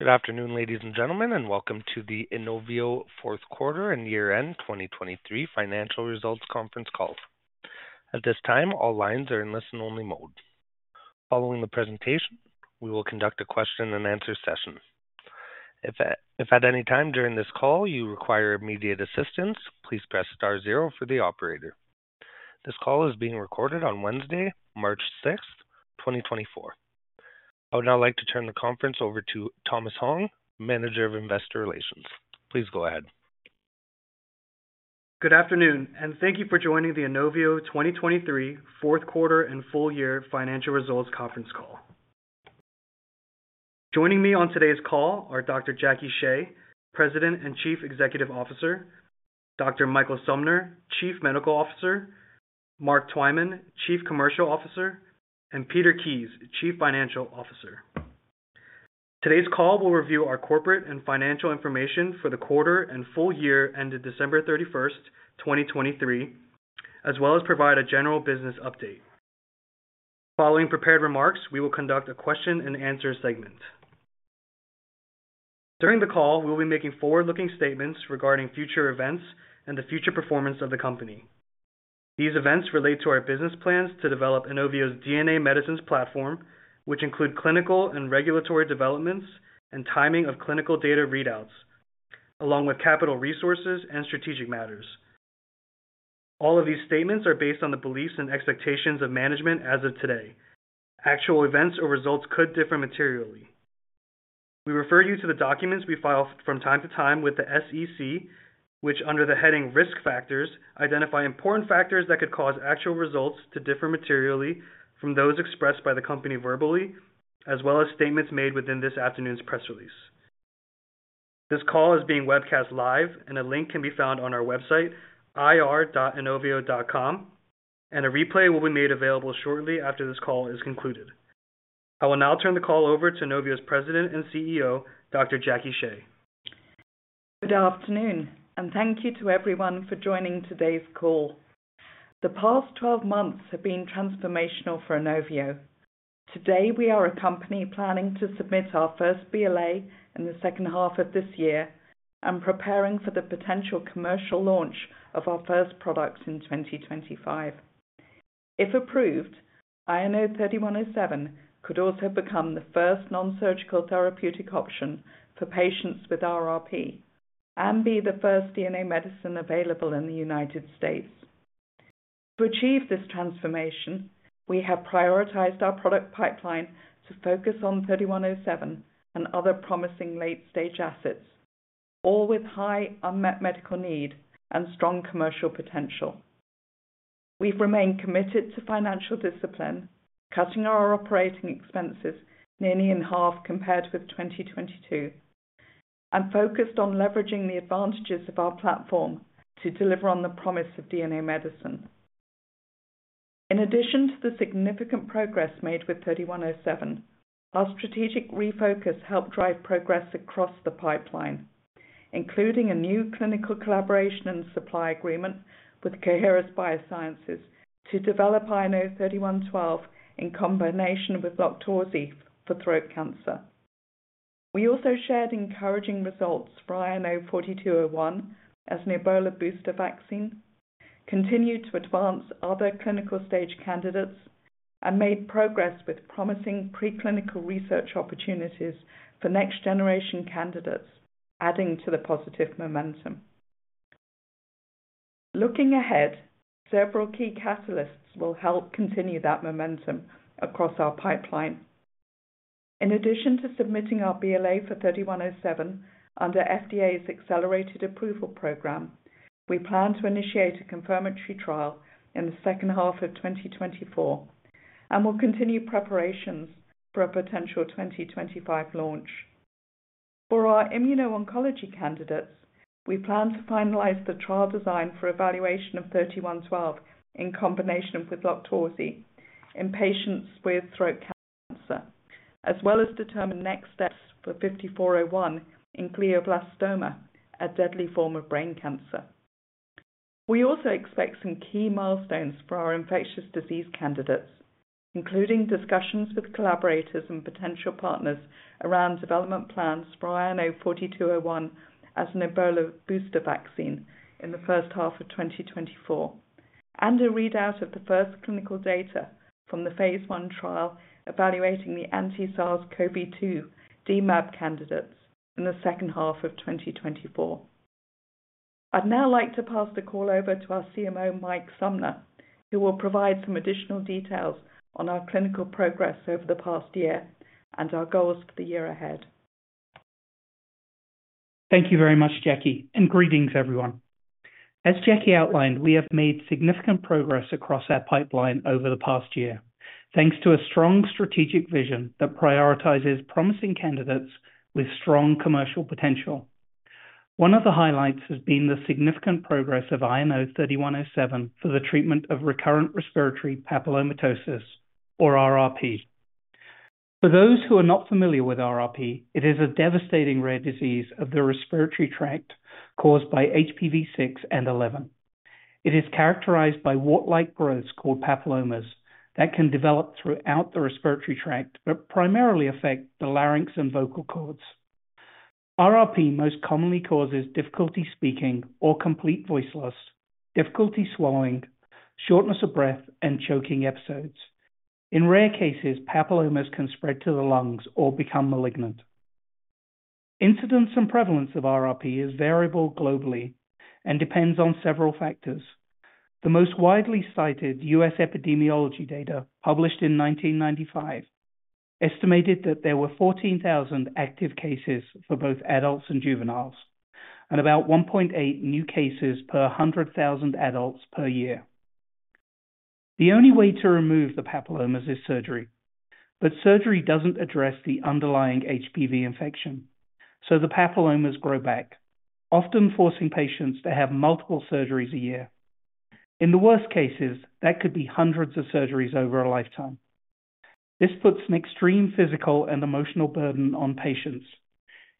Good afternoon, ladies and gentlemen, and welcome to the Inovio fourth quarter and year-end 2023 financial results conference call. At this time, all lines are in listen-only mode. Following the presentation, we will conduct a question and answer session. If at any time during this call you require immediate assistance, please press star zero for the operator. This call is being recorded on Wednesday, March 6, 2024. I would now like to turn the conference over to Thomas Hong, Manager of Investor Relations. Please go ahead. Good afternoon, and thank you for joining the Inovio 2023 fourth quarter and full year financial results conference call. Joining me on today's call are Dr. Jackie Shea, President and Chief Executive Officer, Dr. Michael Sumner, Chief Medical Officer, Mark Twyman, Chief Commercial Officer, and Peter Kies, Chief Financial Officer. Today's call will review our corporate and financial information for the quarter and full year ended December 31, 2023, as well as provide a general business update. Following prepared remarks, we will conduct a question and answer segment. During the call, we'll be making forward-looking statements regarding future events and the future performance of the company. These events relate to our business plans to develop Inovio's DNA medicines platform, which include clinical and regulatory developments and timing of clinical data readouts, along with capital resources and strategic matters. All of these statements are based on the beliefs and expectations of management as of today. Actual events or results could differ materially. We refer you to the documents we file from time to time with the SEC, which, under the heading Risk Factors, identify important factors that could cause actual results to differ materially from those expressed by the company verbally, as well as statements made within this afternoon's press release. This call is being webcast live, and a link can be found on our website, ir.inovio.com, and a replay will be made available shortly after this call is concluded. I will now turn the call over to Inovio's President and CEO, Dr. Jackie Shea. Good afternoon, and thank you to everyone for joining today's call. The past 12 months have been transformational for Inovio. Today, we are a company planning to submit our first BLA in the second half of this year and preparing for the potential commercial launch of our first products in 2025. If approved, INO-3107 could also become the first non-surgical therapeutic option for patients with RRP and be the first DNA medicine available in the United States. To achieve this transformation, we have prioritized our product pipeline to focus on INO-3107 and other promising late-stage assets, all with high unmet medical need and strong commercial potential. We've remained committed to financial discipline, cutting our operating expenses nearly in half compared with 2022, and focused on leveraging the advantages of our platform to deliver on the promise of DNA medicine. In addition to the significant progress made with INO-3107, our strategic refocus helped drive progress across the pipeline, including a new clinical collaboration and supply agreement with Coherus BioSciences to develop INO-3112 in combination with LOQTORZI for throat cancer. We also shared encouraging results for INO-4201 as an Ebola booster vaccine, continued to advance other clinical stage candidates, and made progress with promising preclinical research opportunities for next-generation candidates, adding to the positive momentum. Looking ahead, several key catalysts will help continue that momentum across our pipeline. In addition to submitting our BLA for INO-3107 under FDA's Accelerated Approval Program, we plan to initiate a confirmatory trial in the second half of 2024 and will continue preparations for a potential 2025 launch. For our immuno-oncology candidates, we plan to finalize the trial design for evaluation of INO-3112 in combination with LOQTORZI in patients with throat cancer, as well as determine next steps for INO-5401 in glioblastoma, a deadly form of brain cancer. We also expect some key milestones for our infectious disease candidates, including discussions with collaborators and potential partners around development plans for INO-4201 as an Ebola booster vaccine in the first half of 2024, and a readout of the first clinical data from the phase 1 trial evaluating the anti-SARS-CoV-2 dMAb candidates in the second half of 2024. I'd now like to pass the call over to our CMO, Mike Sumner, who will provide some additional details on our clinical progress over the past year and our goals for the year ahead. Thank you very much, Jackie, and greetings everyone. As Jackie outlined, we have made significant progress across our pipeline over the past year, thanks to a strong strategic vision that prioritizes promising candidates with strong commercial potential. One of the highlights has been the significant progress of INO-3107 for the treatment of recurrent respiratory papillomatosis, or RRP. For those who are not familiar with RRP, it is a devastating, rare disease of the respiratory tract caused by HPV 6 and 11.... It is characterized by wart-like growths called papillomas that can develop throughout the respiratory tract but primarily affect the larynx and vocal cords. RRP most commonly causes difficulty speaking or complete voice loss, difficulty swallowing, shortness of breath, and choking episodes. In rare cases, papillomas can spread to the lungs or become malignant. Incidence and prevalence of RRP is variable globally and depends on several factors. The most widely cited U.S. epidemiology data, published in 1995, estimated that there were 14,000 active cases for both adults and juveniles, and about 1.8 new cases per 100,000 adults per year. The only way to remove the papillomas is surgery, but surgery doesn't address the underlying HPV infection, so the papillomas grow back, often forcing patients to have multiple surgeries a year. In the worst cases, that could be hundreds of surgeries over a lifetime. This puts an extreme physical and emotional burden on patients,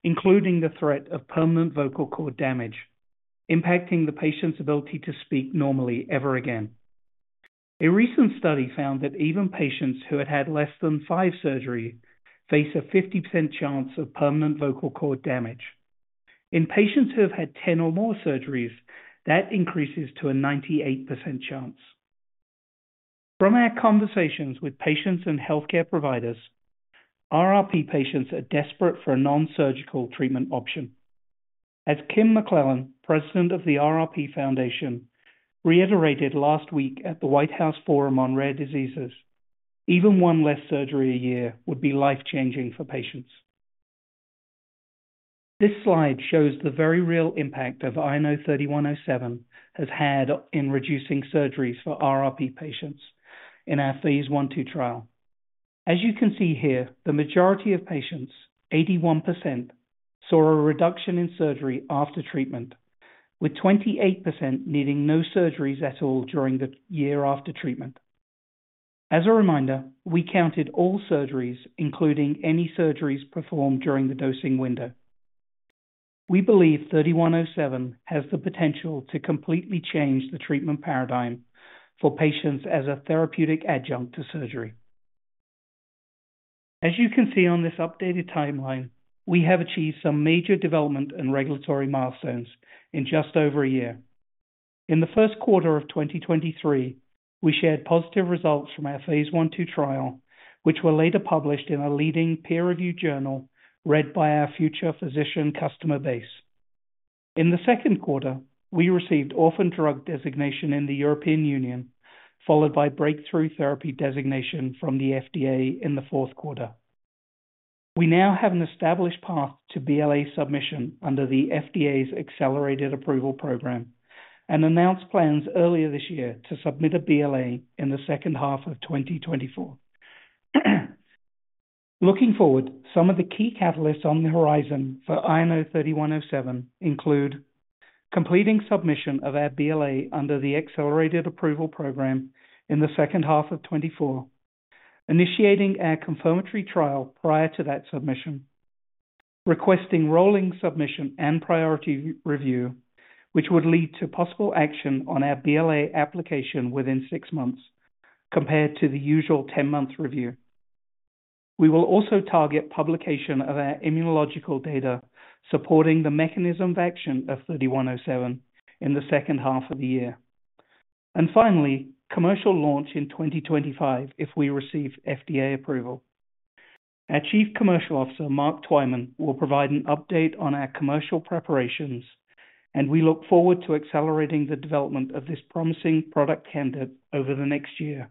including the threat of permanent vocal cord damage, impacting the patient's ability to speak normally ever again. A recent study found that even patients who had had less than five surgeries face a 50% chance of permanent vocal cord damage. In patients who have had 10 or more surgeries, that increases to a 98% chance. From our conversations with patients and healthcare providers, RRP patients are desperate for a non-surgical treatment option. As Kim McClellan, president of the RRP Foundation, reiterated last week at the White House Forum on Rare Diseases, "Even one less surgery a year would be life-changing for patients." This slide shows the very real impact of INO-3107 has had in reducing surgeries for RRP patients in our phase I/II trial. As you can see here, the majority of patients, 81%, saw a reduction in surgery after treatment, with 28% needing no surgeries at all during the year after treatment. As a reminder, we counted all surgeries, including any surgeries performed during the dosing window. We believe INO-3107 has the potential to completely change the treatment paradigm for patients as a therapeutic adjunct to surgery. As you can see on this updated timeline, we have achieved some major development and regulatory milestones in just over a year. In the first quarter of 2023, we shared positive results from our phase I/II trial, which were later published in a leading peer-reviewed journal read by our future physician customer base. In the second quarter, we received Orphan Drug Designation in the European Union, followed by Breakthrough Therapy Designation from the FDA in the fourth quarter. We now have an established path to BLA submission under the FDA's Accelerated Approval Program and announced plans earlier this year to submit a BLA in the second half of 2024. Looking forward, some of the key catalysts on the horizon for INO-3107 include completing submission of our BLA under the Accelerated Approval Program in the second half of 2024, initiating our confirmatory trial prior to that submission, requesting rolling submission and priority review, which would lead to possible action on our BLA application within six months compared to the usual 10-month review. We will also target publication of our immunological data, supporting the mechanism of action of INO-3107 in the second half of the year. And finally, commercial launch in 2025 if we receive FDA approval. Our Chief Commercial Officer, Mark Twyman, will provide an update on our commercial preparations, and we look forward to accelerating the development of this promising product candidate over the next year,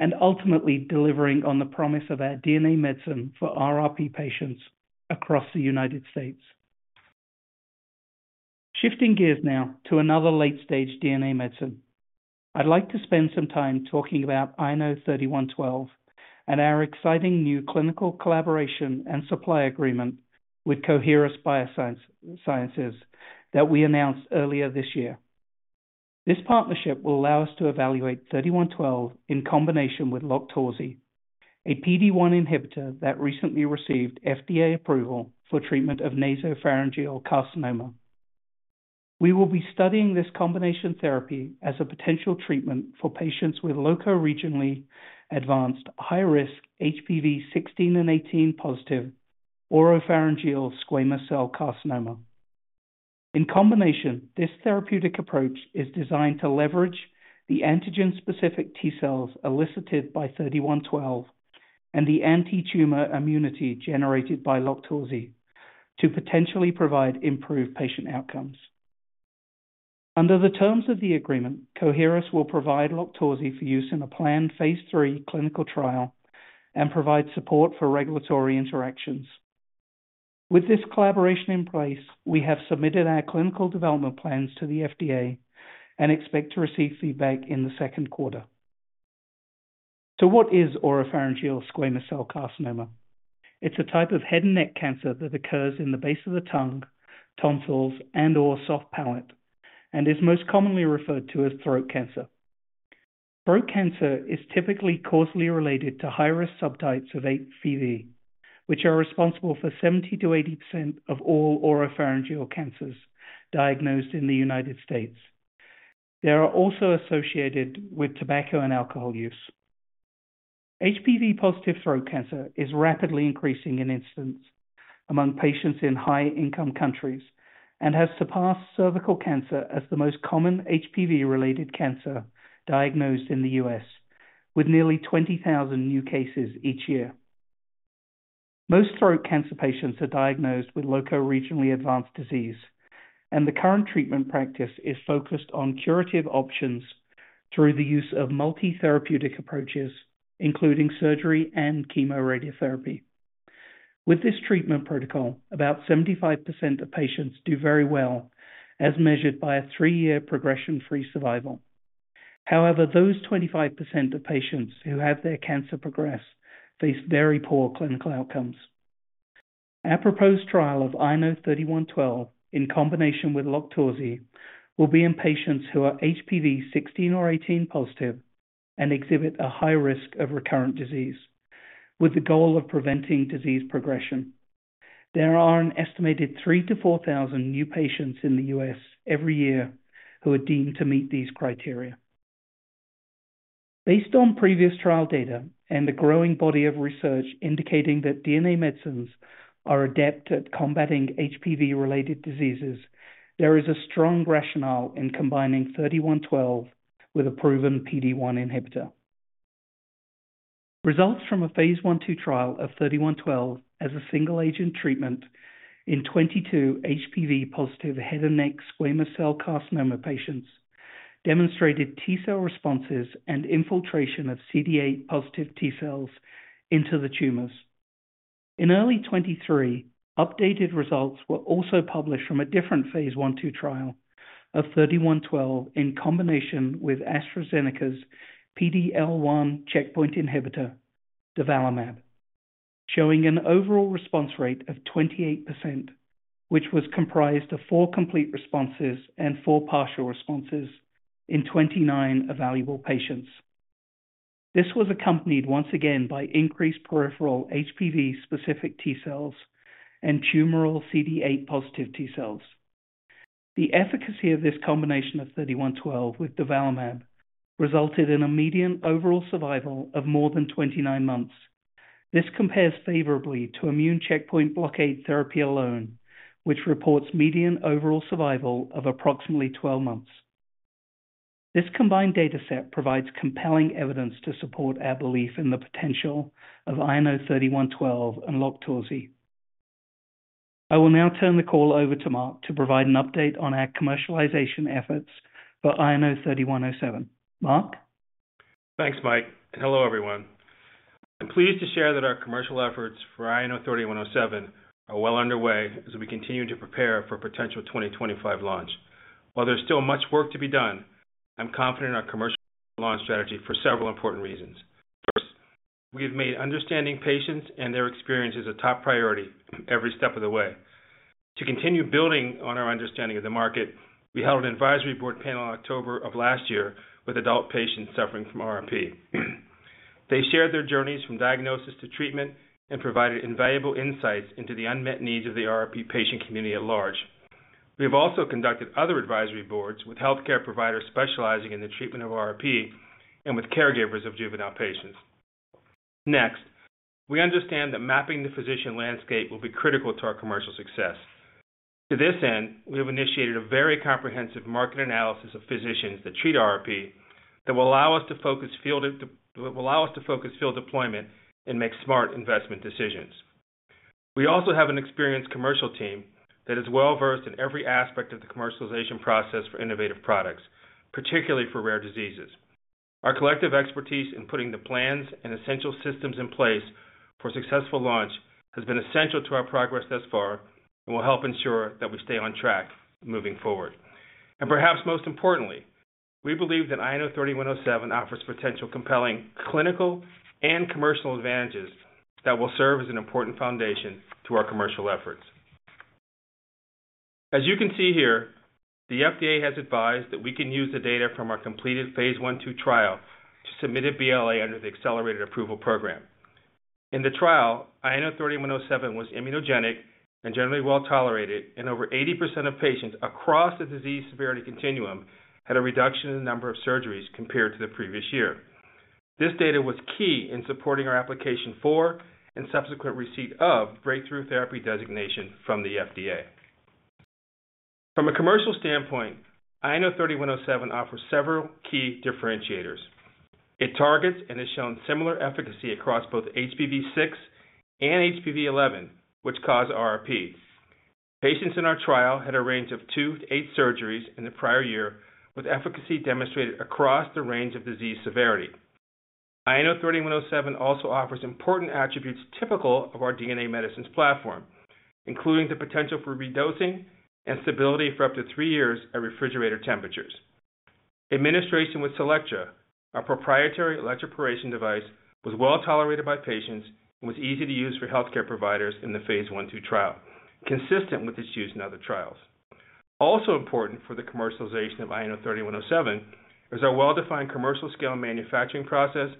and ultimately delivering on the promise of our DNA medicine for RRP patients across the United States. Shifting gears now to another late-stage DNA medicine. I'd like to spend some time talking about INO-3112 and our exciting new clinical collaboration and supply agreement with Coherus BioSciences that we announced earlier this year. This partnership will allow us to evaluate 3112 in combination with LOQTORZI, a PD-1 inhibitor that recently received FDA approval for treatment of nasopharyngeal carcinoma. We will be studying this combination therapy as a potential treatment for patients with loco-regionally advanced, high risk, HPV 16 and 18 positive oropharyngeal squamous cell carcinoma. In combination, this therapeutic approach is designed to leverage the antigen-specific T cells elicited by 3112 and the antitumor immunity generated by LOQTORZI to potentially provide improved patient outcomes. Under the terms of the agreement, Coherus will provide LOQTORZI for use in a planned phase III clinical trial and provide support for regulatory interactions. With this collaboration in place, we have submitted our clinical development plans to the FDA and expect to receive feedback in the second quarter. So what is oropharyngeal squamous cell carcinoma? It's a type of head and neck cancer that occurs in the base of the tongue, tonsils, and/or soft palate, and is most commonly referred to as throat cancer. Throat cancer is typically causally related to high-risk subtypes of HPV, which are responsible for 70%-80% of all oropharyngeal cancers diagnosed in the United States. They are also associated with tobacco and alcohol use. HPV-positive throat cancer is rapidly increasing in incidence among patients in high-income countries and has surpassed cervical cancer as the most common HPV-related cancer diagnosed in the U.S., with nearly 20,000 new cases each year. Most throat cancer patients are diagnosed with loco-regionally advanced disease, and the current treatment practice is focused on curative options through the use of multi-therapeutic approaches, including surgery and chemoradiotherapy. With this treatment protocol, about 75% of patients do very well, as measured by a three-year progression-free survival. However, those 25% of patients who have their cancer progress face very poor clinical outcomes. Our proposed trial of INO-3112, in combination with LOQTORZI, will be in patients who are HPV 16 or 18 positive and exhibit a high risk of recurrent disease, with the goal of preventing disease progression. There are an estimated 3,000-4,000 new patients in the U.S. every year who are deemed to meet these criteria. Based on previous trial data and a growing body of research indicating that DNA medicines are adept at combating HPV-related diseases, there is a strong rationale in combining INO-3112 with a proven PD-1 inhibitor. Results from a phase I/II trial of INO-3112 as a single-agent treatment in 22 HPV-positive head and neck squamous cell carcinoma patients demonstrated T cell responses and infiltration of CD8 positive T cells into the tumors. In early 2023, updated results were also published from a different phase I/II trial of INO-3112, in combination with AstraZeneca's PD-L1 checkpoint inhibitor, durvalumab, showing an overall response rate of 28%, which was comprised of 4 complete responses and 4 partial responses in 29 evaluable patients. This was accompanied once again by increased peripheral HPV-specific T cells and tumoral CD8 positive T cells. The efficacy of this combination of INO-3112 with durvalumab resulted in a median overall survival of more than 29 months. This compares favorably to immune checkpoint blockade therapy alone, which reports median overall survival of approximately 12 months. This combined dataset provides compelling evidence to support our belief in the potential of INO-3112 and LOQTORZI. I will now turn the call over to Mark to provide an update on our commercialization efforts for INO-3107. Mark? Thanks, Mike, and hello, everyone. I'm pleased to share that our commercial efforts for INO-3107 are well underway as we continue to prepare for a potential 2025 launch. While there's still much work to be done, I'm confident in our commercial launch strategy for several important reasons. First, we have made understanding patients and their experiences a top priority every step of the way. To continue building on our understanding of the market, we held an advisory board panel in October of last year with adult patients suffering from RRP. They shared their journeys from diagnosis to treatment and provided invaluable insights into the unmet needs of the RRP patient community at large. We have also conducted other advisory boards with healthcare providers specializing in the treatment of RRP and with caregivers of juvenile patients. Next, we understand that mapping the physician landscape will be critical to our commercial success. To this end, we have initiated a very comprehensive market analysis of physicians that treat RRP that will allow us to focus field deployment and make smart investment decisions. We also have an experienced commercial team that is well-versed in every aspect of the commercialization process for innovative products, particularly for rare diseases. Our collective expertise in putting the plans and essential systems in place for a successful launch has been essential to our progress thus far and will help ensure that we stay on track moving forward. Perhaps most importantly, we believe that INO-3107 offers potential compelling clinical and commercial advantages that will serve as an important foundation to our commercial efforts. As you can see here, the FDA has advised that we can use the data from our completed phase I/II trial to submit a BLA under the Accelerated Approval Program. In the trial, INO-3107 was immunogenic and generally well tolerated, and over 80% of patients across the disease severity continuum had a reduction in the number of surgeries compared to the previous year. This data was key in supporting our application for and subsequent receipt of Breakthrough Therapy Designation from the FDA. From a commercial standpoint, INO-3107 offers several key differentiators. It targets and has shown similar efficacy across both HPV-6 and HPV-11, which cause RRP. Patients in our trial had a range of 2-8 surgeries in the prior year, with efficacy demonstrated across the range of disease severity. INO-3107 also offers important attributes typical of our DNA medicines platform, including the potential for redosing and stability for up to three years at refrigerator temperatures. Administration with CELLECTRA, our proprietary electroporation device, was well tolerated by patients and was easy to use for healthcare providers in the phase I/II trial, consistent with its use in other trials. Also important for the commercialization of INO-3107 is our well-defined commercial scale manufacturing process,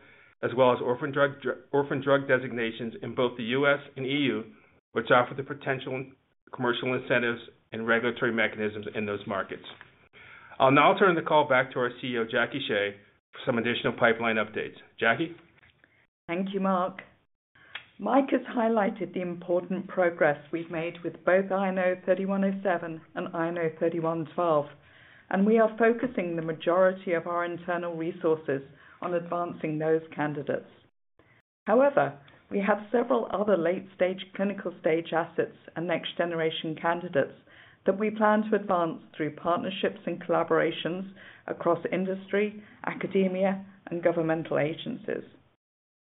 as well as orphan drug designations in both the U.S. and E.U., which offer the potential commercial incentives and regulatory mechanisms in those markets. I'll now turn the call back to our CEO, Jackie Shea, for some additional pipeline updates. Jackie? Thank you, Mark. Mike has highlighted the important progress we've made with both INO-3107 and INO-3112, and we are focusing the majority of our internal resources on advancing those candidates. However, we have several other late-stage, clinical-stage assets and next-generation candidates that we plan to advance through partnerships and collaborations across industry, academia, and governmental agencies.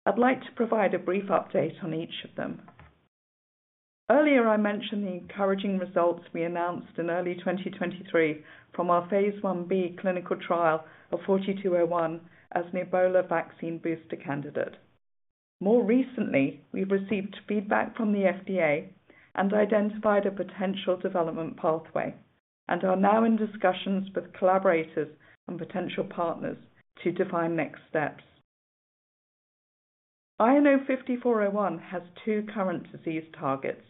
I'd like to provide a brief update on each of them. Earlier, I mentioned the encouraging results we announced in early 2023 from our phase 1b clinical trial of INO-4201 as an Ebola vaccine booster candidate. More recently, we've received feedback from the FDA and identified a potential development pathway, and are now in discussions with collaborators and potential partners to define next steps. INO-5401 has two current disease targets.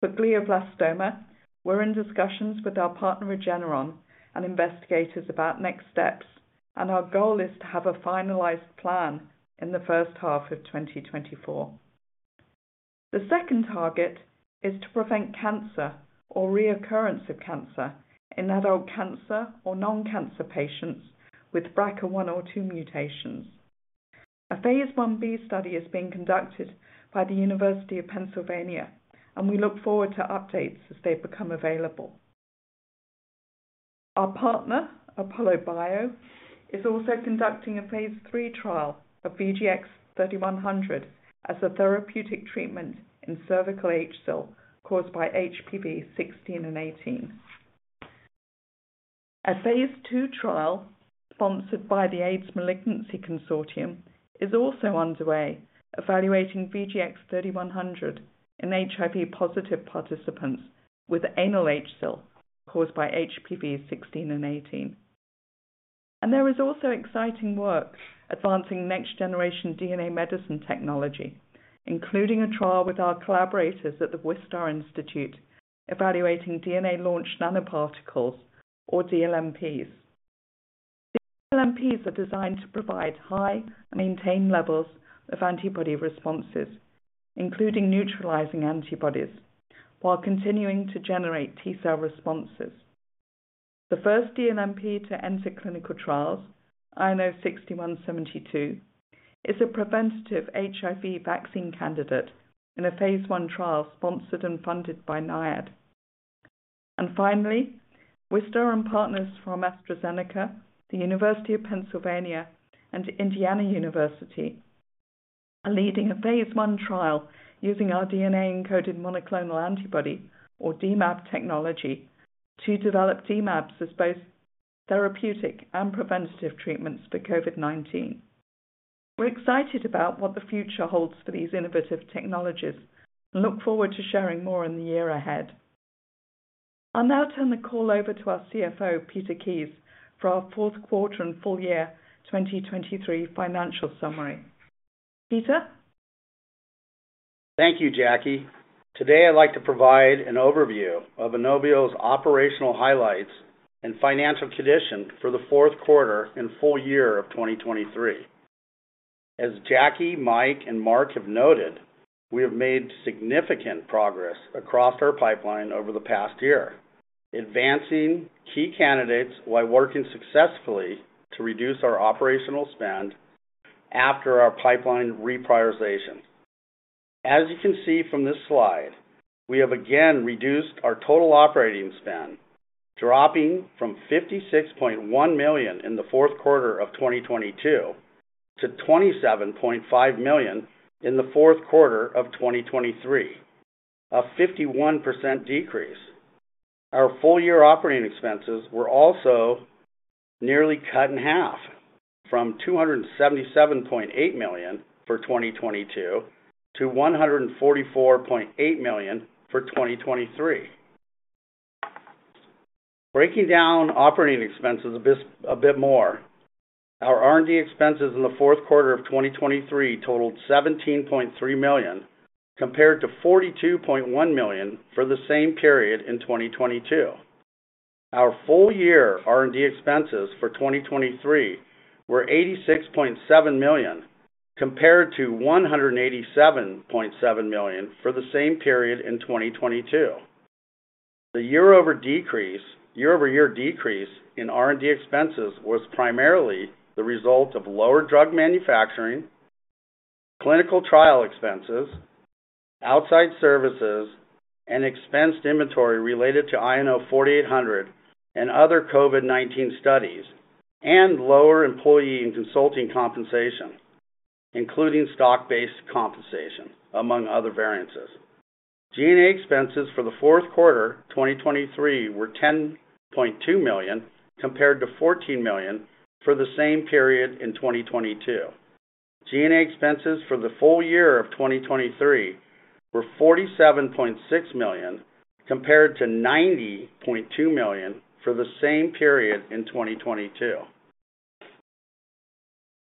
For glioblastoma, we're in discussions with our partner, Regeneron, and investigators about next steps, and our goal is to have a finalized plan in the first half of 2024. The second target is to prevent cancer or reoccurrence of cancer in adult cancer or non-cancer patients with BRCA 1 or 2 mutations. A phase 1b study is being conducted by the University of Pennsylvania, and we look forward to updates as they become available. Our partner, ApolloBio, is also conducting a phase 3 trial of VGX-3100 as a therapeutic treatment in cervical HSIL, caused by HPV 16 and 18. A phase 2 trial, sponsored by the AIDS Malignancy Consortium, is also underway evaluating VGX-3100 in HIV-positive participants with anal HSIL, caused by HPV 16 and 18. There is also exciting work advancing next-generation DNA medicine technology, including a trial with our collaborators at the Wistar Institute, evaluating DNA-launched nanoparticles or dLNPs. dLNPs are designed to provide high and maintain levels of antibody responses, including neutralizing antibodies, while continuing to generate T cell responses. The first dLNP to enter clinical trials, INO-6172, is a preventative HIV vaccine candidate in a phase I trial sponsored and funded by NIAID. Finally, Wistar and partners from AstraZeneca, the University of Pennsylvania, and Indiana University are leading a phase I trial using our DNA-encoded monoclonal antibody, or dMAb technology, to develop dMAbs as both therapeutic and preventative treatments for COVID-19. We're excited about what the future holds for these innovative technologies and look forward to sharing more in the year ahead. I'll now turn the call over to our CFO, Peter Kies, for our fourth quarter and full year 2023 financial summary. Peter? Thank you, Jackie. Today, I'd like to provide an overview of Inovio's operational highlights and financial condition for the fourth quarter and full year of 2023. As Jackie, Mike, and Mark have noted, we have made significant progress across our pipeline over the past year, advancing key candidates while working successfully to reduce our operational spend after our pipeline reprioritization. As you can see from this slide, we have again reduced our total operating spend, dropping from $56.1 million in the fourth quarter of 2022 to $27.5 million in the fourth quarter of 2023, a 51% decrease. Our full year operating expenses were also nearly cut in half, from $277.8 million for 2022 to $144.8 million for 2023. Breaking down operating expenses a bit more, our R&D expenses in the fourth quarter of 2023 totaled $17.3 million, compared to $42.1 million for the same period in 2022. Our full year R&D expenses for 2023 were $86.7 million, compared to $187.7 million for the same period in 2022. The year-over-year decrease in R&D expenses was primarily the result of lower drug manufacturing, clinical trial expenses, outside services, and expensed inventory related to INO-4800 and other COVID-19 studies, and lower employee and consulting compensation, including stock-based compensation, among other variances. G&A expenses for the fourth quarter, 2023, were $10.2 million, compared to $14 million for the same period in 2022.... G&A expenses for the full year of 2023 were $47.6 million, compared to $90.2 million for the same period in 2022.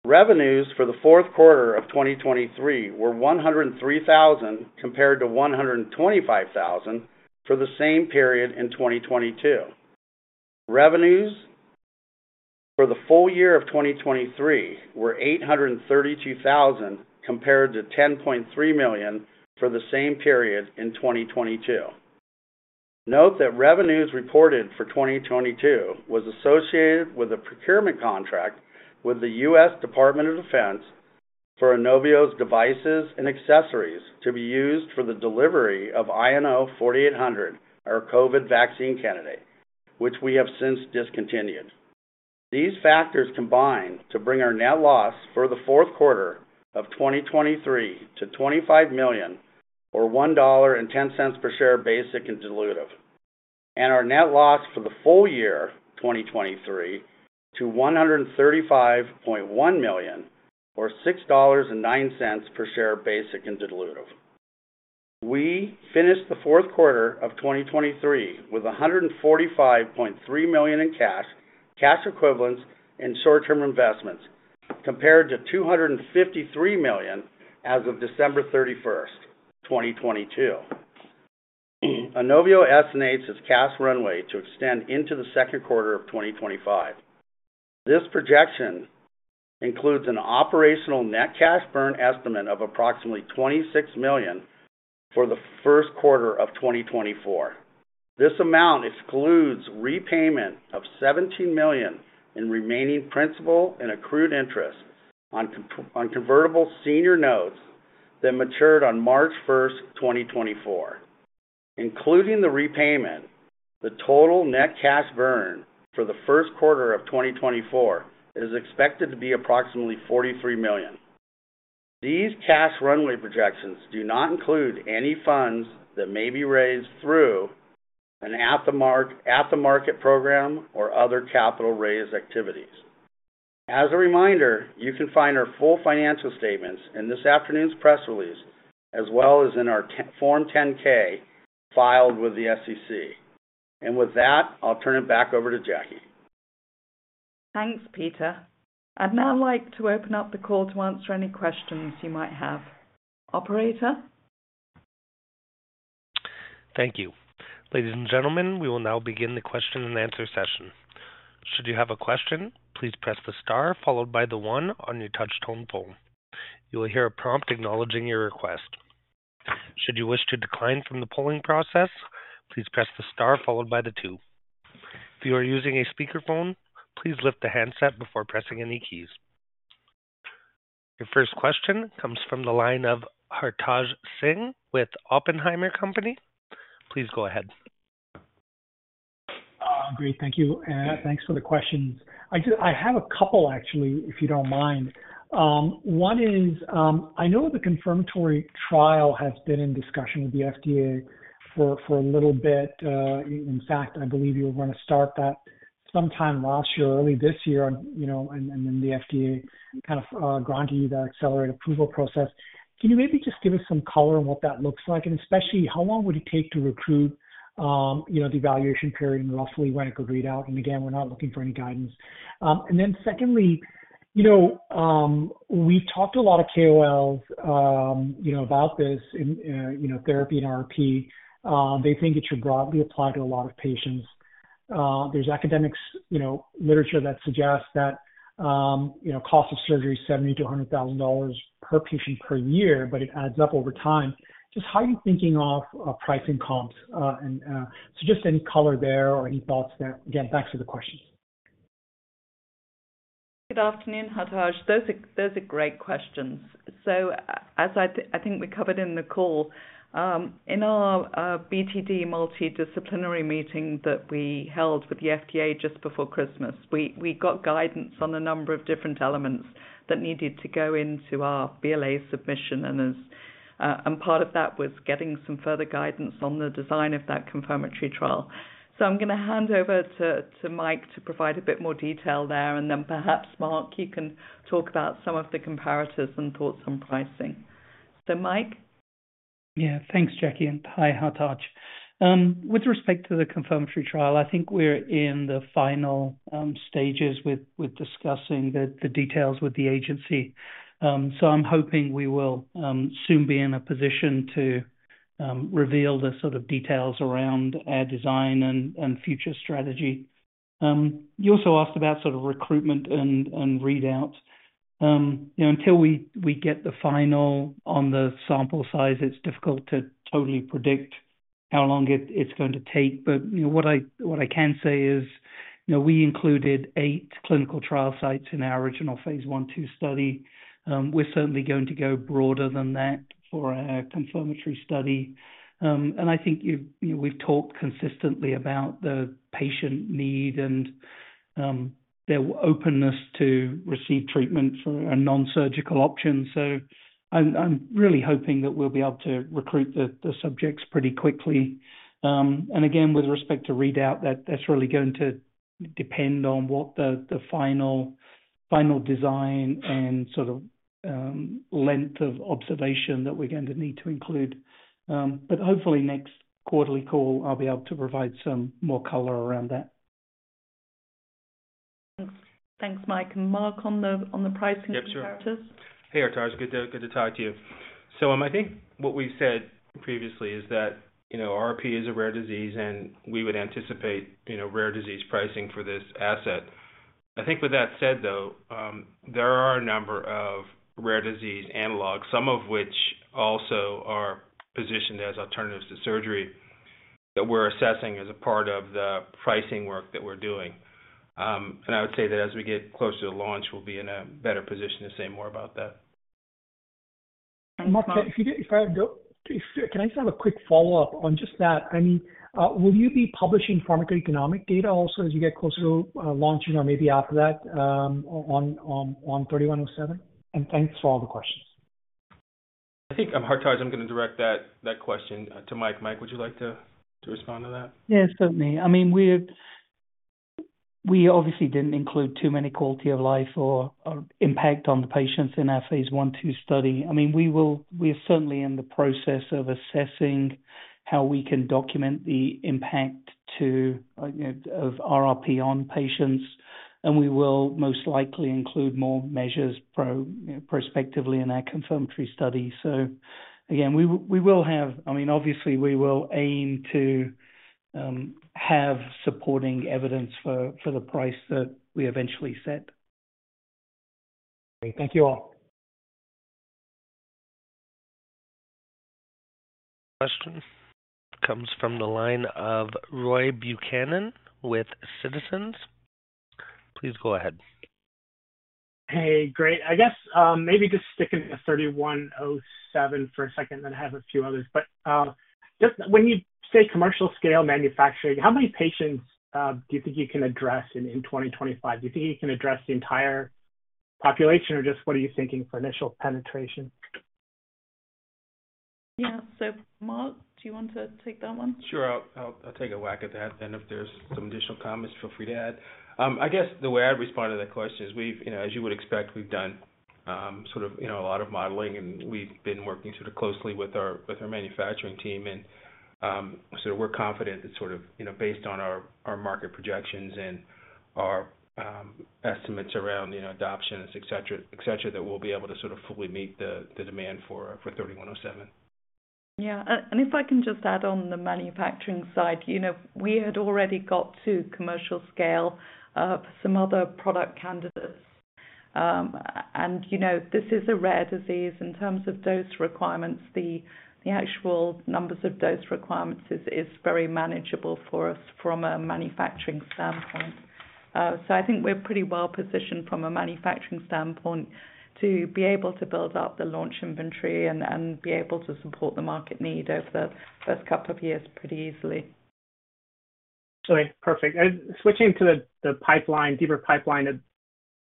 Revenues for the fourth quarter of 2023 were $103,000, compared to $125,000 for the same period in 2022. Revenues for the full year of 2023 were $832,000, compared to $10.3 million for the same period in 2022. Note that revenues reported for 2022 was associated with a procurement contract with the U.S. Department of Defense for Inovio's devices and accessories to be used for the delivery of INO-4800, our COVID vaccine candidate, which we have since discontinued. These factors combined to bring our net loss for the fourth quarter of 2023 to $25 million, or $1.10 per share, basic and dilutive. Our net loss for the full year, 2023, to $135.1 million, or $6.09 per share, basic and dilutive. We finished the fourth quarter of 2023 with $145.3 million in cash, cash equivalents, and short-term investments, compared to $253 million as of December 31, 2022. Inovio estimates its cash runway to extend into the second quarter of 2025. This projection includes an operational net cash burn estimate of approximately $26 million for the first quarter of 2024. This amount excludes repayment of $17 million in remaining principal and accrued interest on convertible senior notes that matured on March 1, 2024. Including the repayment, the total net cash burn for the first quarter of 2024 is expected to be approximately $43 million. These cash runway projections do not include any funds that may be raised through an at-the-market program or other capital raise activities. As a reminder, you can find our full financial statements in this afternoon's press release, as well as in our 10, Form 10-K filed with the SEC. And with that, I'll turn it back over to Jackie. Thanks, Peter. I'd now like to open up the call to answer any questions you might have. Operator? Thank you. Ladies and gentlemen, we will now begin the question-and-answer session. Should you have a question, please press the star followed by the one on your touch tone phone. You will hear a prompt acknowledging your request. Should you wish to decline from the polling process, please press the star followed by the two. If you are using a speakerphone, please lift the handset before pressing any keys. Your first question comes from the line of Hartaj Singh with Oppenheimer. Please go ahead. Great, thank you, and thanks for the questions. I just have a couple, actually, if you don't mind. One is, I know the confirmatory trial has been in discussion with the FDA for a little bit. In fact, I believe you were going to start that sometime last year or early this year, you know, and then the FDA kind of granted you the accelerated approval process. Can you maybe just give us some color on what that looks like? And especially, how long would it take to recruit, you know, the evaluation period and roughly when it could read out? And again, we're not looking for any guidance. And then secondly, you know, we've talked to a lot of KOLs, you know, about this in therapy and RRP. They think it should broadly apply to a lot of patients. There's academic, you know, literature that suggests that, you know, cost of surgery, $70,000-$100,000 per patient per year, but it adds up over time. Just how are you thinking of pricing comps? And so just any color there or any thoughts there. Again, thanks for the questions. Good afternoon, Hartaj. Those are great questions. So as I think we covered in the call, in our BTD multidisciplinary meeting that we held with the FDA just before Christmas, we got guidance on a number of different elements that needed to go into our BLA submission. And as part of that was getting some further guidance on the design of that confirmatory trial. So I'm going to hand over to Mike to provide a bit more detail there, and then perhaps, Mark, you can talk about some of the comparators and thoughts on pricing. So, Mike? Yeah, thanks, Jackie, and hi, Hartaj. With respect to the confirmatory trial, I think we're in the final stages with discussing the details with the agency. So I'm hoping we will soon be in a position to reveal the sort of details around our design and future strategy. You also asked about sort of recruitment and readouts. You know, until we get the final on the sample size, it's difficult to totally predict how long it's going to take. But, you know, what I can say is, you know, we included eight clinical trial sites in our original phase I/II study. We're certainly going to go broader than that for our confirmatory study. And I think you've, you know, we've talked consistently about the patient need and their openness to receive treatment for a non-surgical option. So I'm really hoping that we'll be able to recruit the subjects pretty quickly. And again, with respect to readout, that's really going to depend on what the final design and sort of length of observation that we're going to need to include. But hopefully next quarterly call, I'll be able to provide some more color around that. Thanks. Thanks, Mike. Mark, on the, on the pricing practice? Yeah, sure. Hey, Hartaj, good to talk to you. So, I think what we said previously is that, you know, RRP is a rare disease, and we would anticipate, you know, rare disease pricing for this asset. I think with that said, though, there are a number of rare disease analogs, some of which also are positioned as alternatives to surgery, that we're assessing as a part of the pricing work that we're doing. And I would say that as we get closer to launch, we'll be in a better position to say more about that. Mark, can I just have a quick follow-up on just that? I mean, will you be publishing pharmacoeconomic data also as you get closer to launching or maybe after that, on INO-3107? And thanks for all the questions. I think, Hartaj, I'm gonna direct that question to Mike. Mike, would you like to respond to that? Yes, certainly. I mean, we obviously didn't include too many quality of life or impact on the patients in our phase one, two study. I mean, we are certainly in the process of assessing how we can document the impact to, you know, of RRP on patients, and we will most likely include more measures, you know, prospectively in our confirmatory study. So again, we will have... I mean, obviously, we will aim to have supporting evidence for the price that we eventually set. Thank you, all. Question comes from the line of Roy Buchanan with Citizens JMP. Please go ahead. Hey, great. I guess, maybe just sticking to INO-3107 for a second, then I have a few others. But, just when you say commercial scale manufacturing, how many patients do you think you can address in 2025? Do you think you can address the entire population, or just what are you thinking for initial penetration? Yeah. So, Mark, do you want to take that one? Sure. I'll take a whack at that, and if there's some additional comments, feel free to add. I guess the way I'd respond to that question is, we've, you know, as you would expect, we've done sort of, you know, a lot of modeling, and we've been working sort of closely with our manufacturing team. And so we're confident that sort of, you know, based on our market projections and our estimates around, you know, adoptions, et cetera, et cetera, that we'll be able to sort of fully meet the demand for INO-3107. Yeah, and if I can just add on the manufacturing side. You know, we had already got to commercial scale, some other product candidates. And you know, this is a rare disease. In terms of dose requirements, the actual numbers of dose requirements is very manageable for us from a manufacturing standpoint. So I think we're pretty well positioned from a manufacturing standpoint to be able to build out the launch inventory and be able to support the market need over the first couple of years pretty easily. Sorry, perfect. Switching to the pipeline, deeper pipeline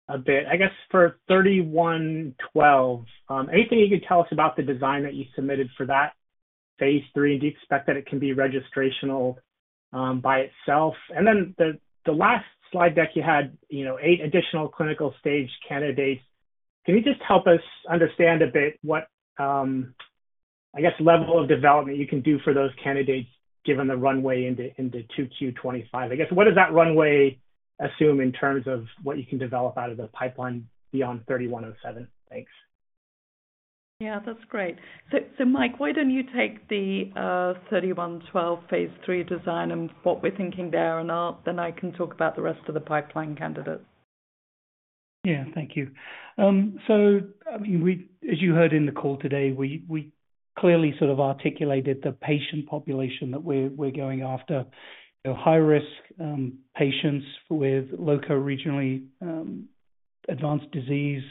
a bit. I guess for 3112, anything you can tell us about the design that you submitted for that phase 3, and do you expect that it can be registrational by itself? And then the last slide deck you had, you know, 8 additional clinical stage candidates. Can you just help us understand a bit what, I guess, level of development you can do for those candidates, given the runway into 2Q 2025? I guess, what does that runway assume in terms of what you can develop out of the pipeline beyond 3107? Thanks. Yeah, that's great. So, Mike, why don't you take the 3112 phase 3 design and what we're thinking there, and I'll, then I can talk about the rest of the pipeline candidates. Yeah. Thank you. So I mean, we, as you heard in the call today, we clearly sort of articulated the patient population that we're going after. You know, high risk patients with loco-regionally advanced disease.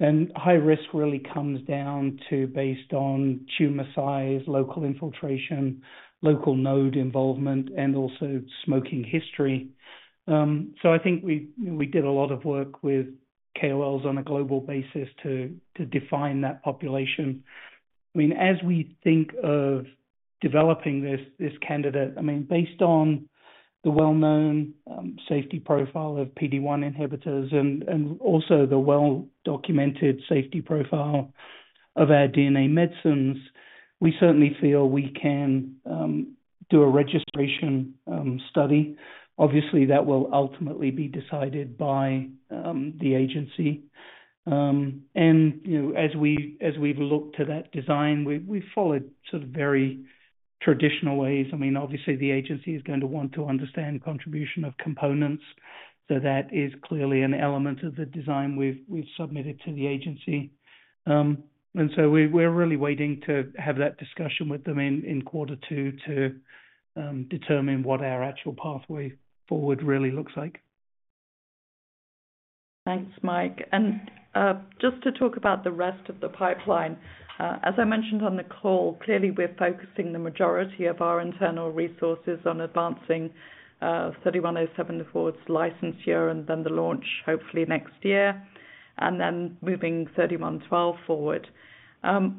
And high risk really comes down to based on tumor size, local infiltration, local node involvement, and also smoking history. So I think we did a lot of work with KOLs on a global basis to define that population. I mean, as we think of developing this candidate, I mean, based on the well-known safety profile of PD-1 inhibitors and also the well-documented safety profile of our DNA medicines, we certainly feel we can do a registration study. Obviously, that will ultimately be decided by the agency. And you know, as we've looked to that design, we've followed sort of very traditional ways. I mean, obviously, the agency is going to want to understand contribution of components, so that is clearly an element of the design we've submitted to the agency. And so we're really waiting to have that discussion with them in quarter two to determine what our actual pathway forward really looks like. Thanks, Mike. And just to talk about the rest of the pipeline, as I mentioned on the call, clearly we're focusing the majority of our internal resources on advancing INO-3107 before its BLA year and then the launch, hopefully next year. And then moving INO-3112 forward.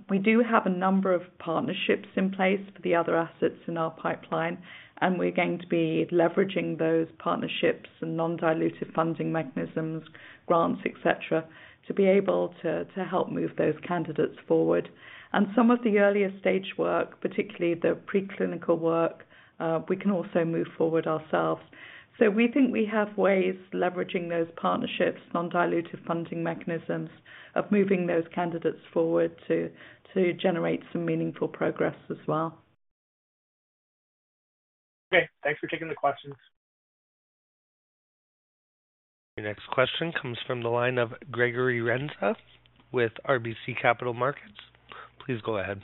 We do have a number of partnerships in place for the other assets in our pipeline, and we're going to be leveraging those partnerships and non-dilutive funding mechanisms, grants, et cetera, to be able to, to help move those candidates forward. And some of the earlier stage work, particularly the preclinical work, we can also move forward ourselves. So we think we have ways, leveraging those partnerships, non-dilutive funding mechanisms, of moving those candidates forward to generate some meaningful progress as well. Okay, thanks for taking the questions. Your next question comes from the line of Gregory Renza, with RBC Capital Markets. Please go ahead.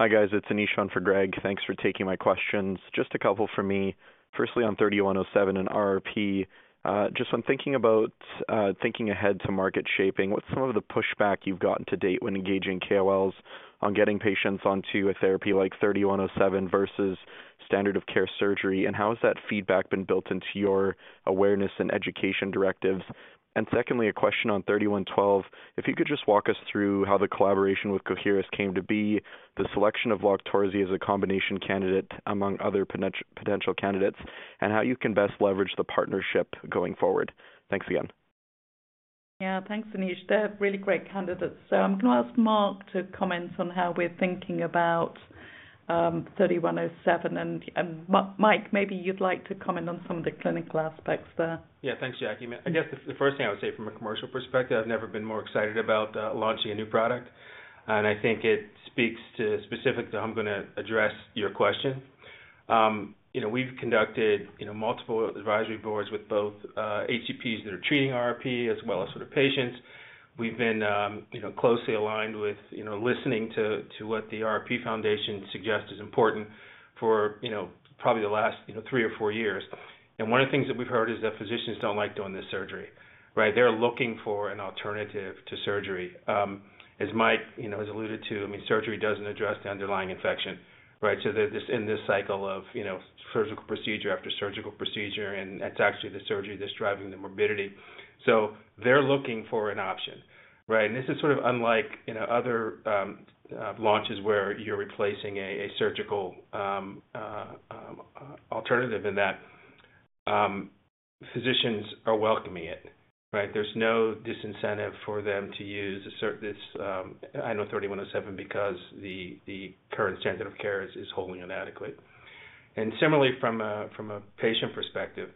Hi, guys. It's Anish on for Greg. Thanks for taking my questions. Just a couple from me. Firstly, on INO-3107 and RRP, just on thinking about, thinking ahead to market shaping, what's some of the pushback you've gotten to date when engaging KOLs on getting patients onto a therapy like INO-3107 versus standard of care surgery? And how has that feedback been built into your awareness and education directives? And secondly, a question on INO-3112. If you could just walk us through how the collaboration with Coherus came to be, the selection of LOQTORZI as a combination candidate, among other potential candidates, and how you can best leverage the partnership going forward? Thanks again. Yeah. Thanks, Anish. They're really great candidates. I'm gonna ask Mark to comment on how we're thinking about INO-3107. And Mike, maybe you'd like to comment on some of the clinical aspects there. Yeah. Thanks, Jackie. I guess the first thing I would say from a commercial perspective, I've never been more excited about launching a new product, and I think it speaks specifically to how I'm gonna address your question. You know, we've conducted multiple advisory boards with both HCPs that are treating RRP as well as for the patients. We've been you know closely aligned with you know listening to what the RRP Foundation suggests is important for you know probably the last you know three or four years. And one of the things that we've heard is that physicians don't like doing this surgery, right? They're looking for an alternative to surgery. As Mike you know has alluded to, I mean, surgery doesn't address the underlying infection, right? So they're just in this cycle of, you know, surgical procedure after surgical procedure, and it's actually the surgery that's driving the morbidity. So they're looking for an option, right? And this is sort of unlike, you know, other launches where you're replacing a surgical alternative in that. Physicians are welcoming it, right? There's no disincentive for them to use this INO-3107 because the current standard of care is wholly inadequate. And similarly, from a patient perspective,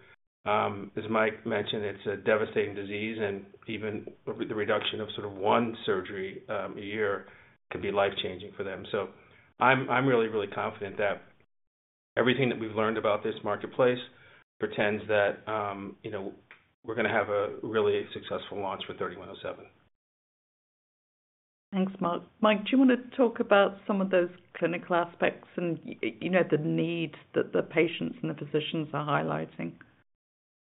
as Mike mentioned, it's a devastating disease, and even with the reduction of sort of one surgery a year could be life-changing for them. I'm really, really confident that everything that we've learned about this marketplace portends that, you know, we're gonna have a really successful launch for INO-3107. Thanks, Mark. Mike, do you wanna talk about some of those clinical aspects and, you know, the need that the patients and the physicians are highlighting?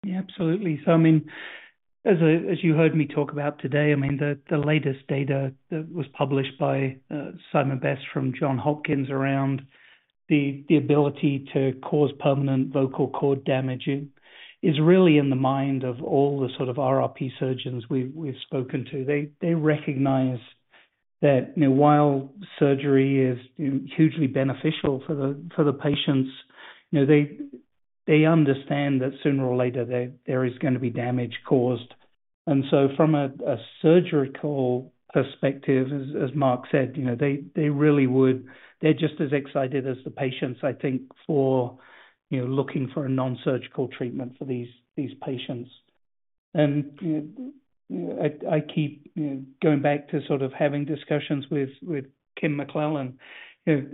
Yeah, absolutely. So I mean, as, as you heard me talk about today, I mean, the, the latest data that was published by, Simon Best from Johns Hopkins around the, the ability to cause permanent vocal cord damage is, really in the mind of all the sort of RRP surgeons we've, spoken to. They, they recognize that, you know, while surgery is hugely beneficial for the, for the patients, you know, they, they understand that sooner or later there, there is gonna be damage caused. And so from a, a surgical perspective, as, as Mark said, you know, they, they really would... They're just as excited as the patients, I think, for, you know, looking for a non-surgical treatment for these, these patients. And, I, I keep, you know, going back to sort of having discussions with, with Kim McClellan. You know,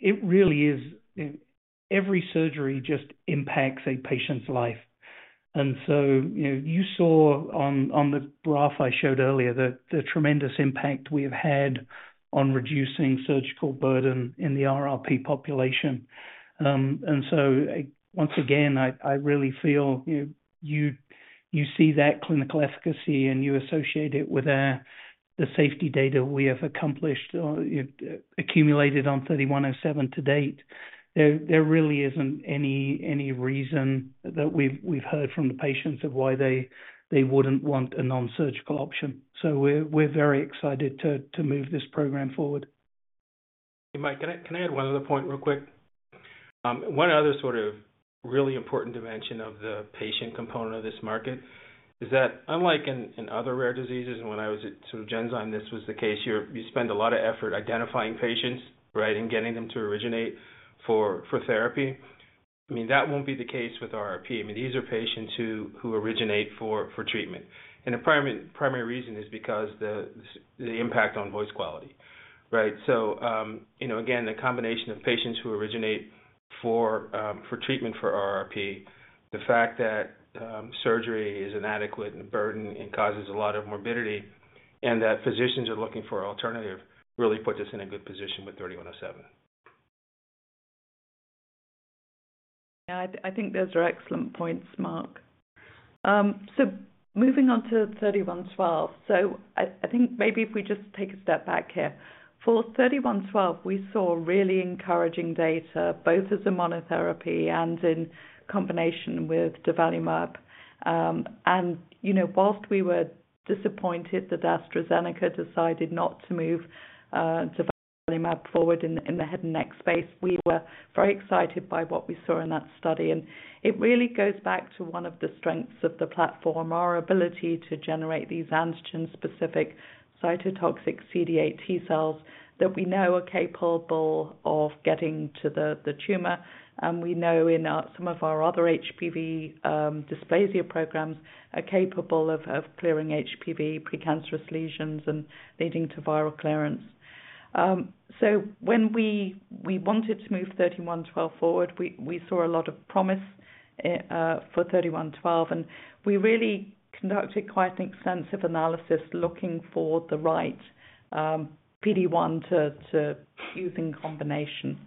it really is, every surgery just impacts a patient's life. And so, you know, you saw on the graph I showed earlier, the tremendous impact we've had on reducing surgical burden in the RRP population. And so once again, I really feel, you see that clinical efficacy, and you associate it with the safety data we have accomplished or accumulated on INO-3107 to date. There really isn't any reason that we've heard from the patients of why they wouldn't want a non-surgical option. So we're very excited to move this program forward. Hey, Mike, can I, can I add one other point real quick? One other sort of really important dimension of the patient component of this market is that unlike in other rare diseases, and when I was at sort of Genzyme, this was the case, you spend a lot of effort identifying patients, right? And getting them to originate for therapy. I mean, that won't be the case with RRP. I mean, these are patients who originate for treatment. And the primary reason is because the impact on voice quality, right? So, you know, again, the combination of patients who originate for treatment for RRP, the fact that surgery is inadequate and burden and causes a lot of morbidity, and that physicians are looking for alternative, really puts us in a good position with INO-3107. Yeah, I think those are excellent points, Mark. So moving on to INO-3112. I think maybe if we just take a step back here. For INO-3112, we saw really encouraging data, both as a monotherapy and in combination with durvalumab. And, you know, while we were disappointed that AstraZeneca decided not to move the vaccine forward in the head and neck space, we were very excited by what we saw in that study. And it really goes back to one of the strengths of the platform, our ability to generate these antigen-specific cytotoxic CD8 T cells that we know are capable of getting to the tumor, and we know in some of our other HPV dysplasia programs, are capable of clearing HPV precancerous lesions and leading to viral clearance. So when we wanted to move INO-3112 forward, we saw a lot of promise for INO-3112, and we really conducted quite an extensive analysis looking for the right PD-1 to use in combination.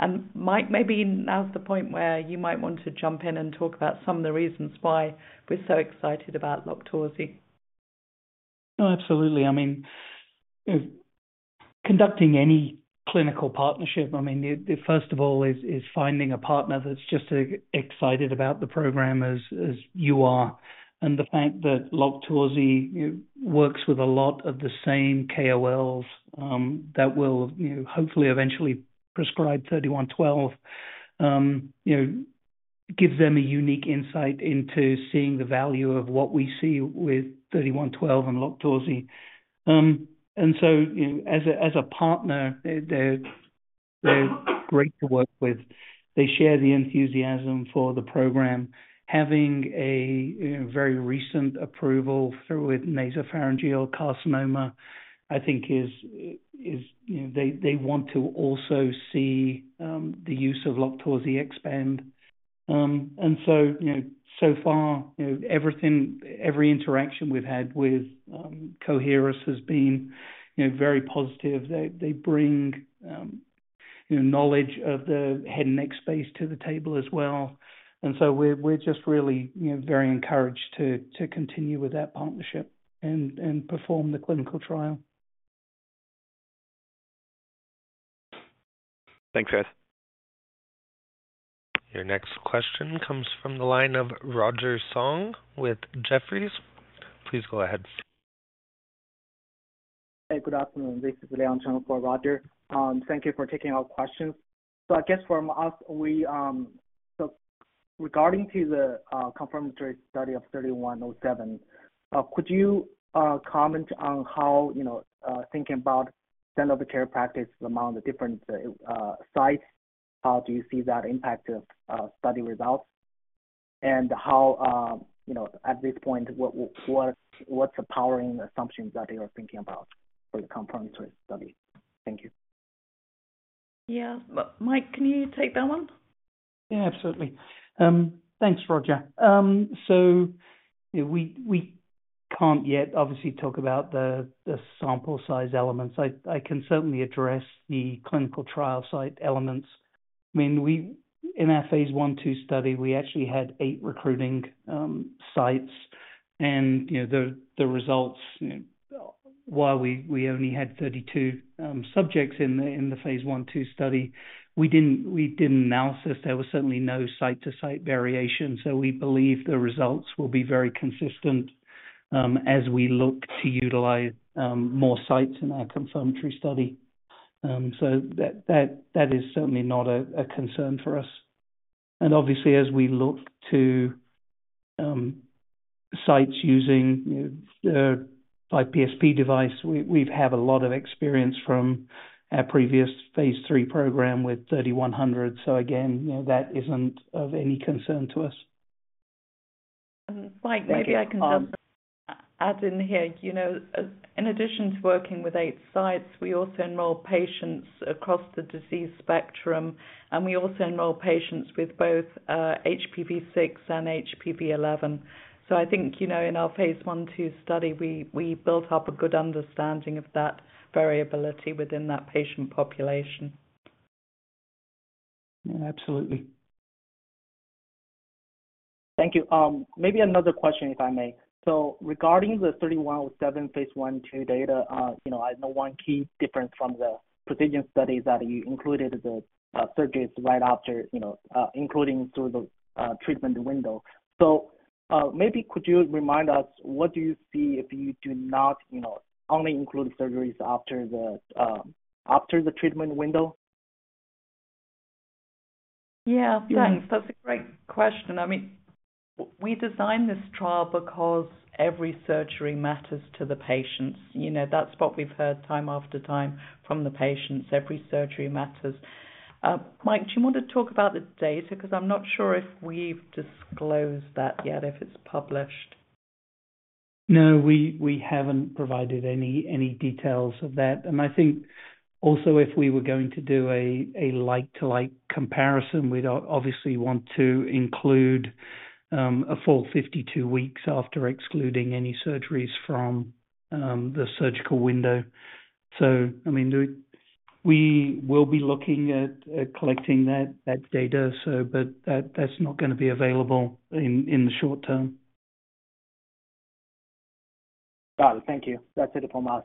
And Mike, maybe now is the point where you might want to jump in and talk about some of the reasons why we're so excited about LOQTORZI. Oh, absolutely. I mean, conducting any clinical partnership, I mean, the first of all is finding a partner that's just as excited about the program as you are. And the fact that LOQTORZI works with a lot of the same KOLs that will, you know, hopefully eventually prescribe INO-3112, you know, gives them a unique insight into seeing the value of what we see with INO-3112 and LOQTORZI. And so, you know, as a partner, they're great to work with. They share the enthusiasm for the program. Having a very recent approval with nasopharyngeal carcinoma, I think is, you know... They want to also see the use of LOQTORZI expand. And so, you know, so far, you know, everything, every interaction we've had with Coherus has been, you know, very positive. They bring, you know, knowledge of the head and neck space to the table as well. And so we're just really, you know, very encouraged to continue with that partnership and perform the clinical trial. Thanks, guys. Your next question comes from the line of Roger Song with Jefferies. Please go ahead. Hey, good afternoon. This is Liang Cheng for Roger Song. Thank you for taking our questions. So I guess from us, So regarding to the confirmatory study of INO-3107, could you comment on how, you know, thinking about standard of care practice among the different sites, how do you see that impact the study results? And how, you know, at this point, what's the powering assumptions that you are thinking about for the confirmatory study? Thank you. Yeah. Mike, can you take that one? Yeah, absolutely. Thanks, Roger. So we, we can't yet obviously talk about the, the sample size elements. I, I can certainly address the clinical trial site elements. I mean, we in our phase 1,2 study, we actually had 8 recruiting sites, and, you know, the, the results, while we, we only had 32 subjects in the, in the phase 1,2 study, we didn't, we did an analysis. There was certainly no site-to-site variation, so we believe the results will be very consistent, as we look to utilize more sites in our confirmatory study. So that, that, that is certainly not a concern for us. And obviously, as we look to sites using, you know, 5PSP device, we, we've had a lot of experience from our previous phase 3 program with 3100. Again, you know, that isn't of any concern to us. Mike, maybe I can just add in here. You know, in addition to working with 8 sites, we also enroll patients across the disease spectrum, and we also enroll patients with both, HPV 6 and HPV 11. So I think, you know, in our phase 1, 2 study, we built up a good understanding of that variability within that patient population. Yeah, absolutely. Thank you. Maybe another question, if I may. So regarding the INO-3107 phase 1/2 data, you know, I know one key difference from the Precigen studies that you included the surgeries right after, you know, including through the treatment window. So, maybe could you remind us, what do you see if you do not, you know, only include surgeries after the treatment window? Yeah, thanks. That's a great question. I mean, we designed this trial because every surgery matters to the patients. You know, that's what we've heard time after time from the patients. Every surgery matters. Mike, do you want to talk about the data? Because I'm not sure if we've disclosed that yet, if it's published. No, we haven't provided any details of that. And I think also, if we were going to do a like-to-like comparison, we'd obviously want to include a full 52 weeks after excluding any surgeries from the surgical window. So I mean, we will be looking at collecting that data, but that's not going to be available in the short term. Got it. Thank you. That's it from us....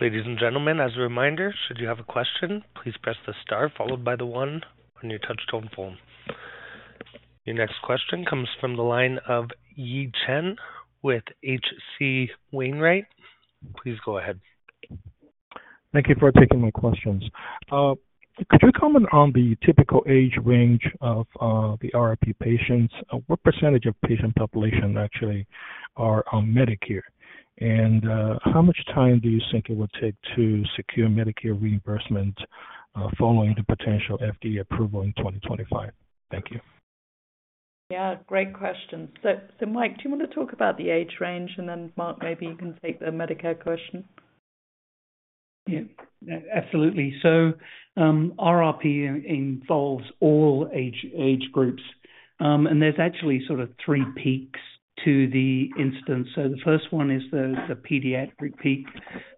Ladies and gentlemen, as a reminder, should you have a question, please press the star followed by the one on your touch tone phone. Your next question comes from the line of Yi Chen with H.C. Wainwright. Please go ahead. Thank you for taking my questions. Could you comment on the typical age range of the RRP patients? What percentage of patient population actually are on Medicare? And how much time do you think it will take to secure Medicare reimbursement following the potential FDA approval in 2025? Thank you. Yeah, great questions. So, so Mike, do you want to talk about the age range and then Mark, maybe you can take the Medicare question? Yeah, absolutely. So, RRP involves all age groups, and there's actually sort of three peaks to the incidence. So the first one is the pediatric peak,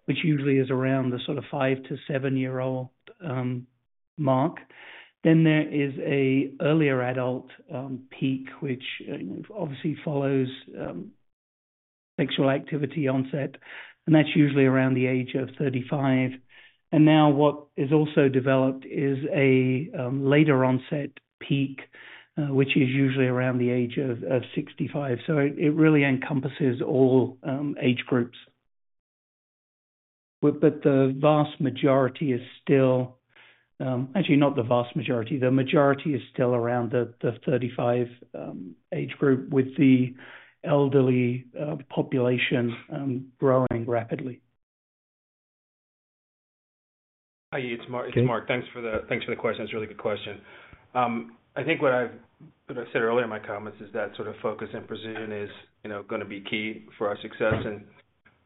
which usually is around the sort of 5- to 7-year-old mark. Then there is an earlier adult peak, which obviously follows sexual activity onset, and that's usually around the age of 35. And now what is also developed is a later onset peak, which is usually around the age of 65. So it really encompasses all age groups. But the vast majority is still... Actually, not the vast majority. The majority is still around the 35 age group, with the elderly population growing rapidly. Hi, it's Mark. Thanks for the question. It's a really good question. I think what I said earlier in my comments is that sort of focus and precision is, you know, gonna be key for our success.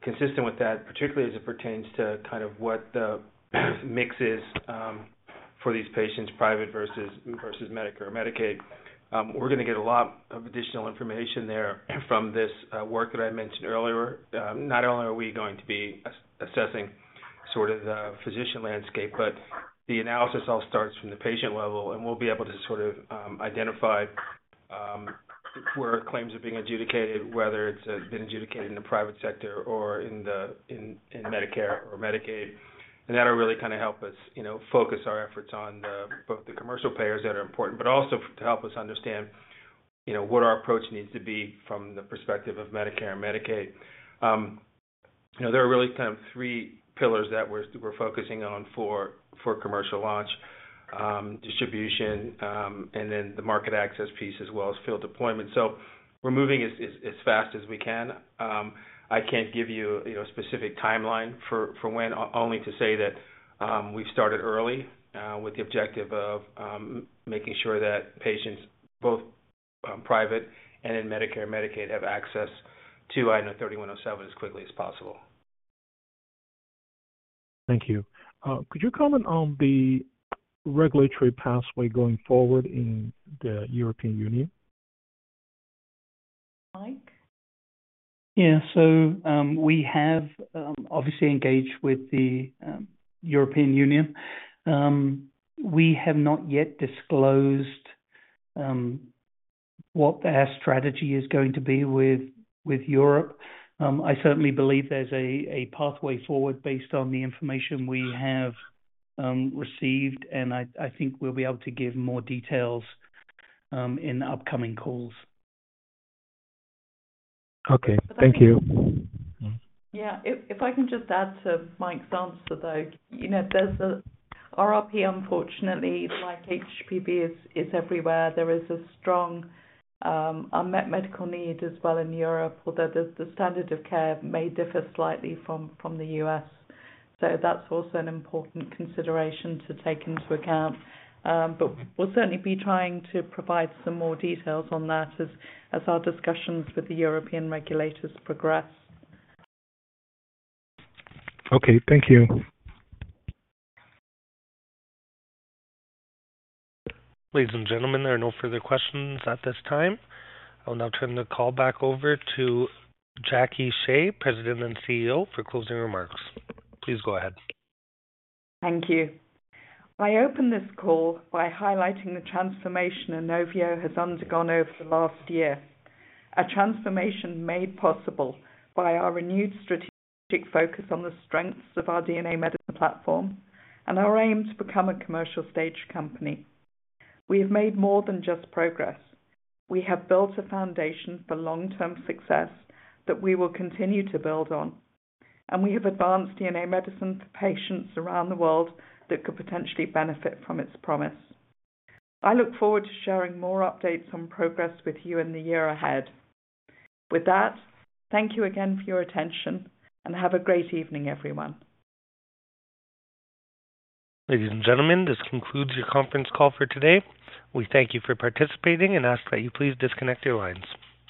Consistent with that, particularly as it pertains to kind of what the mix is for these patients, private versus Medicare or Medicaid. We're gonna get a lot of additional information there from this work that I mentioned earlier. Not only are we going to be assessing sort of the physician landscape, but the analysis all starts from the patient level, and we'll be able to sort of identify where claims are being adjudicated, whether it's been adjudicated in the private sector or in Medicare or Medicaid. That'll really kind of help us, you know, focus our efforts on both the commercial players that are important, but also to help us understand, you know, what our approach needs to be from the perspective of Medicare and Medicaid. You know, there are really kind of three pillars that we're focusing on for commercial launch, distribution, and then the market access piece, as well as field deployment. So we're moving as fast as we can. I can't give you, you know, a specific timeline for when, only to say that we've started early, with the objective of making sure that patients, both private and in Medicare, Medicaid, have access to INO-3107 as quickly as possible. Thank you. Could you comment on the regulatory pathway going forward in the European Union? Mike? Yeah. So, we have obviously engaged with the European Union. We have not yet disclosed what our strategy is going to be with Europe. I certainly believe there's a pathway forward based on the information we have received, and I think we'll be able to give more details in upcoming calls. Okay. Thank you. Yeah. If I can just add to Mike's answer, though, you know, there's a RRP, unfortunately, like HPV, is everywhere. There is a strong unmet medical need as well in Europe, although the standard of care may differ slightly from the U.S. So that's also an important consideration to take into account. But we'll certainly be trying to provide some more details on that as our discussions with the European regulators progress. Okay. Thank you. Ladies and gentlemen, there are no further questions at this time. I will now turn the call back over to Jackie Shea, President and CEO, for closing remarks. Please go ahead. Thank you. I opened this call by highlighting the transformation Inovio has undergone over the last year. A transformation made possible by our renewed strategic focus on the strengths of our DNA medicine platform and our aim to become a commercial stage company. We have made more than just progress. We have built a foundation for long-term success that we will continue to build on, and we have advanced DNA medicine to patients around the world that could potentially benefit from its promise. I look forward to sharing more updates on progress with you in the year ahead. With that, thank you again for your attention and have a great evening, everyone. Ladies and gentlemen, this concludes your conference call for today. We thank you for participating and ask that you please disconnect your lines.